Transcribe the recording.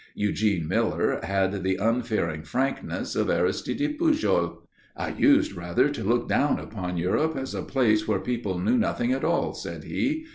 Eugene Miller had the unfearing frankness of Aristide Pujol. "I used rather to look down upon Europe as a place where people knew nothing at all," said he.